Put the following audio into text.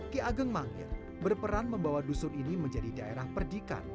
ki ageng mangir berperan membawa dusun ini menjadi daerah perdikan